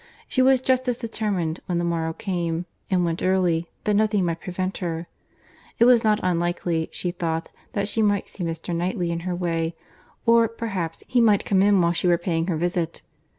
She was just as determined when the morrow came, and went early, that nothing might prevent her. It was not unlikely, she thought, that she might see Mr. Knightley in her way; or, perhaps, he might come in while she were paying her visit.